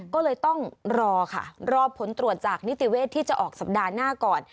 ก็เลยต้องรอค่ะรอผลตรวจจากนิติเวศที่จะออกสัปดาห์หน้าก่อน